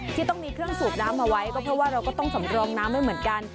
ที่ต้องมีเครื่องสูบน้ำเอาไว้ก็เพราะว่าเราก็ต้องสำรองน้ำไว้เหมือนกัน